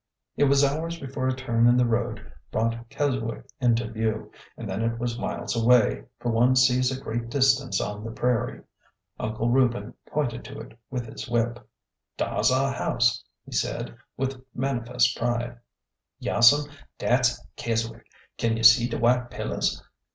It was hours before a turn in the road brought Kes wick into view, and then it was miles away, for one sees a great distance on the prairie. Uncle Reuben pointed to it with his whip. Dar ^s our house,'^ he said, with manifest pride. Yaas'm, dat's Keswick. Can you see de white pillars?